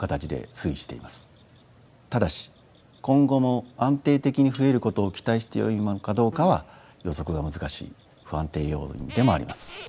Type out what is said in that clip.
ただし今後も安定的に増えることを期待してよいものかどうかは予測が難しい不安定要因でもあります。